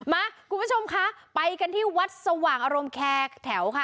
มาคุณผู้ชมคะไปกันที่วัดสว่างอารมณ์แคร์แถวค่ะ